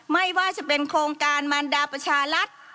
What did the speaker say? ไม่ว่าจะเป็นโครงการมันดาประชารัฐ